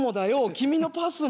君のパスモ。